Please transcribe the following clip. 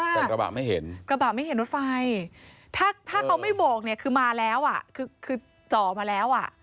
แต่กระบะไม่เห็นกระบะไม่เห็นรถไฟถ้าเขาไม่โบกเนี่ยคือมาแล้วอ่ะคือจ่อมาแล้วอ่ะ